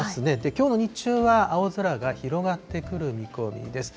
きょうの日中は、青空が広がってくる見込みです。